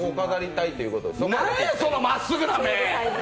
なんや、そのまっすぐな目！！